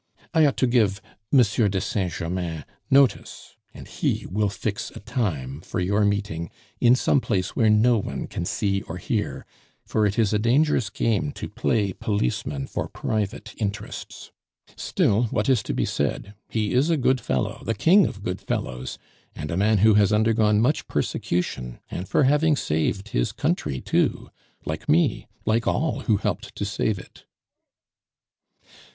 I ought to give Monsieur de Saint Germanin notice, and he will fix a time for your meeting in some place where no one can see or hear, for it is a dangerous game to play policeman for private interests. Still, what is to be said? He is a good fellow, the king of good fellows, and a man who has undergone much persecution, and for having saving his country too! like me, like all who helped to save it."